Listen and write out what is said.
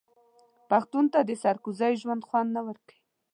پښتون ته د سرکوزۍ ژوند خوند نه ورکوي.